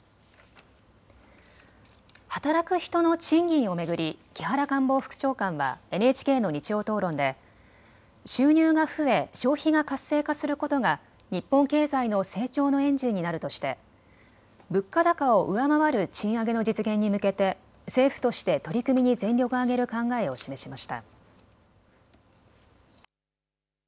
働く人の賃金を巡り木原官房副長官はＮＨＫの日曜討論で収入が増え消費が活性化することが日本経済の成長のエンジンになるとして物価高を上回る賃上げの実現に向けて政府として取り組みに全力を挙げる考えを示しました。